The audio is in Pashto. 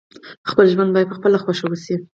خپل ژوند باید په خپله خوښه وسي.